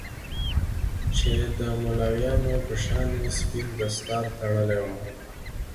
چې د مولويانو په شان يې سپين دستار تړلى و.